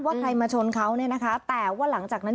ใครมาชนเขาเนี่ยนะคะแต่ว่าหลังจากนั้น